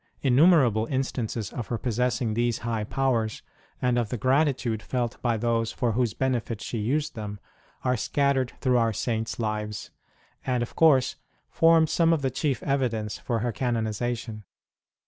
Innumerable instances of her possessing these high powers, and of the gratitude felt by those for whose benefit she used them, are scattered through our Saints Lives, and, of course, formed some of the chief evidence for her canonization.